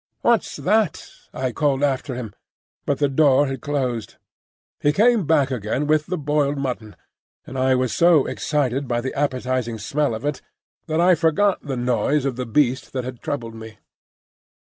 "What's that?" I called after him, but the door had closed. He came back again with the boiled mutton, and I was so excited by the appetising smell of it that I forgot the noise of the beast that had troubled me.